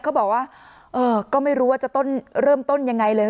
เขาบอกว่าก็ไม่รู้ว่าจะเริ่มต้นยังไงเลย